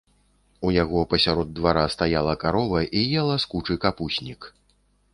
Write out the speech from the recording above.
У яго пасярод двара стаяла карова і ела з кучы капуснік.